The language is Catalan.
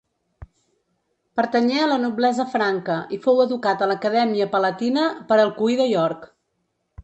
Pertanyé a la noblesa franca i fou educat a l'Acadèmia Palatina per Alcuí de York.